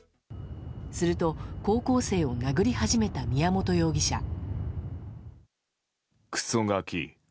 すると、高校生を殴り始めた宮本容疑者。